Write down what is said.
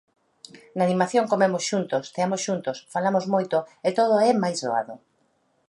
Na animación comemos xuntos, ceamos xuntos, falamos moito e todo é máis doado.